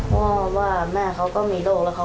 เพราะว่าแม่เค้าก็มีโดรก